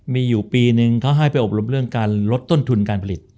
มีอยู่ปีนึงเขาให้ไปอบรมเรื่องการลดต้นทุนการผลิต